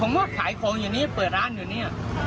ผมว่าขายของอยู่นี่เปิดร้านอยู่เนี่ย